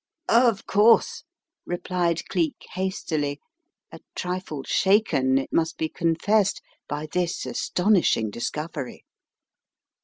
"Of course," replied Cleek, hastily, a trifle shaken it must be confessed by this astonishing discovery.